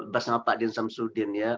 bersama pak din samsudin